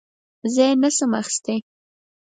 زه یې نه شم اخیستی .